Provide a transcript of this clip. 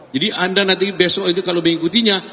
jadi anda nanti besok itu kalau mengikutinya